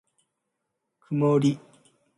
くもり